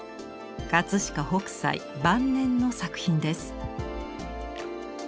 飾北斎晩年の作品です。